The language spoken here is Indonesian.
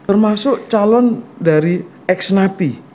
termasuk calon dari ex napi